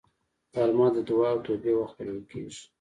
غرمه د دعا او توبې وخت بلل کېږي